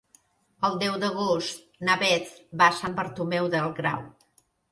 El deu d'agost na Beth va a Sant Bartomeu del Grau.